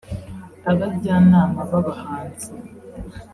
abajyanama b’ abahanzi